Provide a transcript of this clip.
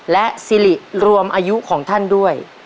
และสิริรวมอายุของท่านด้วย